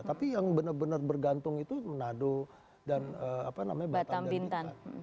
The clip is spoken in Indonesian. tapi yang benar benar bergantung itu menado dan batam dan ikan